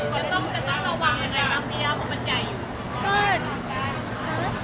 จะต้องระวังยังไงนะเพราะมันใกล้อยู่